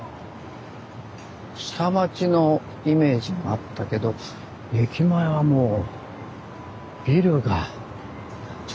下町のイメージがあったけど駅前はもうビルが立ち並んでるな。